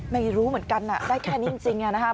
ไม่รู้เหมือนกันได้แค่นี้จริงนะครับ